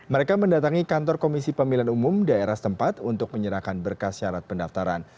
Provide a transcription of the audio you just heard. mereka mendatangi kantor komisi pemilihan umum daerah setempat untuk menyerahkan berkas syarat pendaftaran